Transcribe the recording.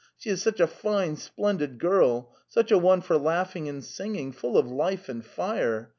She is such a fine, splendid girl, such a one for laughing and singing, full of life and fire!